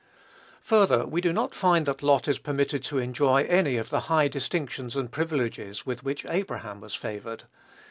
Further, we do not find that Lot is permitted to enjoy any of the high distinctions and privileges with which Abraham was favored.